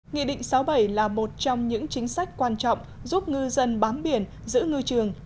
nghị định sáu bảy là một trong những chính sách quan trọng giúp ngư dân bám biển giữ ngư trường